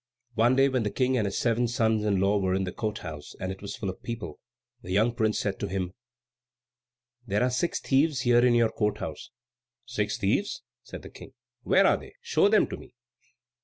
One day, when the King and his seven sons in law were in his court house, and it was full of people, the young prince said to him, "There are six thieves here in your court house." "Six thieves!" said the King. "Where are they? Show them to me."